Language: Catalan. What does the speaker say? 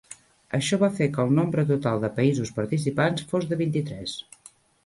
Això va fer que el nombre total de països participants fos de vint-i-tres.